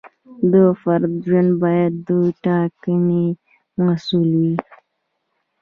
د فرد ژوند باید د ټاکنې محصول وي.